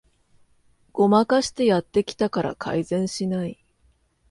ごまかしてやってきたから改善しない